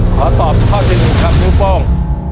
ขอตอบข้อที่๑ครับนิ้วโป้ง